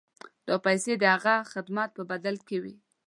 دا پیسې د هغه د خدمت په بدل کې وې.